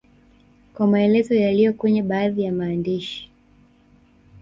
kwa maelezo yaliyo kwenye baadhi ya maandishi